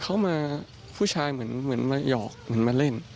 เขามาผู้ชายเหมือนมาหยอกเหมือนมาเล่น